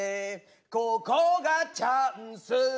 「ここがチャンス」